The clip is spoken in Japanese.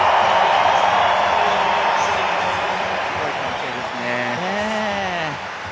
すごい歓声ですね。